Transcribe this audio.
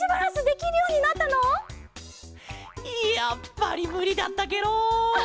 やっぱりむりだったケロ！